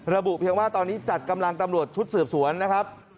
ระบุเพียงว่าตอนนี้จัดกำลังตำรวจชุดสืบสวนนะครับ